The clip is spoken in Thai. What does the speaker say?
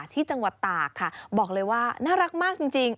ที่จังหวัดตากค่ะบอกเลยว่าน่ารักมากจริง